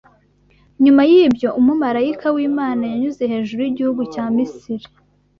Nyuma y’ibyo umumarayika w’Imana yanyuze hejuru y’igihugu cya Misiri